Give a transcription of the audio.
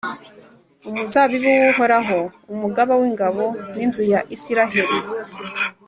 Umuzabibu w’Uhoraho Umugaba w’ingabo, ni inzu ya Israheli,